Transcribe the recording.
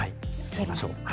やりましょう。